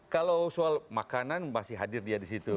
kalau soal makanan masih hadir dia disitu